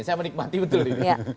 saya menikmati betul ini